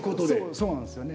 そうなんですよね。